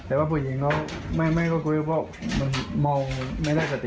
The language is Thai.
แต่ว่าผู้หญิงเขาไม่ค่อยคุยเพราะมันมองไม่ได้สติ